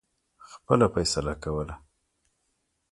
خپله فیصله کوله.